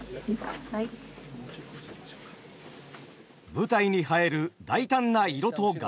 舞台に映える大胆な色と柄。